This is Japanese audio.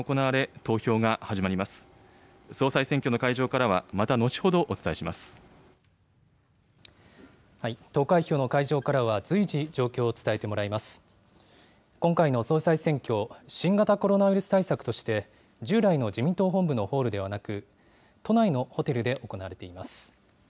今回の総裁選挙、新型コロナウイルス対策として、従来の自民党本部のホールではなく、都内のホテルで行われています。